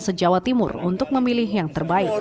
kau bisa memilih yang terbaik